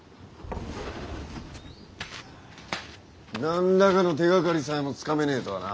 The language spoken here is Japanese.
何らかの手がかりさえもつかめねえとはな。